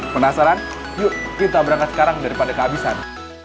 penasaran yuk kita berangkat sekarang daripada kehabisan